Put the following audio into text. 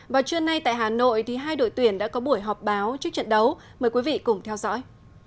vào trưa nay tại hà nội hai đội tuyển đã có buổi họp báo trước trận đấu mời quý vị cùng theo dõi